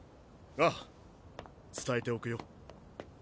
ああ伝えておくよ。